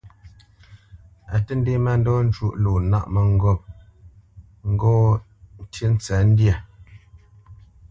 A tə́ ndě mándɔ njwóʼ lo nâʼ mə̂ŋgôp ŋgɔ́ ntwá ntí ntsəndyâ.